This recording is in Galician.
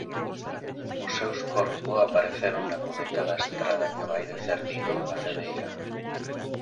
Os seus corpo apareceron na cuneta da estrada que vai de Cerdido a Cedeira.